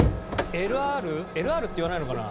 ＬＲって言わないのかな？